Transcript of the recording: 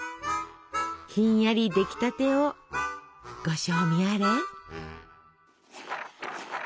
ひんやり出来たてをご賞味あれ！